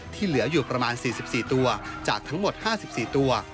เหลืออยู่ประมาณ๔๔ตัวจากทั้งหมด๕๔ตัว